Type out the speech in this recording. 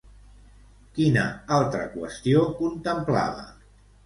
Quina altra qüestió contemplava?